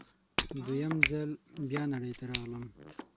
دوه یم ځل بیا نړۍ ته راغلم